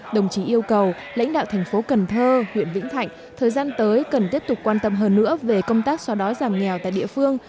đồng chí yêu cầu lãnh đạo tp cn huyện vĩnh thảnh thời gian tới cần tiếp tục quan tâm hơn nữa về công tác so đói giảm nghèo tại địa phương